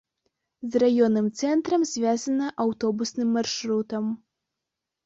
З раённым цэнтрам звязана аўтобусным маршрутам.